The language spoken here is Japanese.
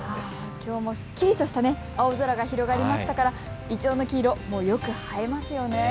きょうもすっきりとした青空が広がりましたからいちょうの黄色、よく映えますよね。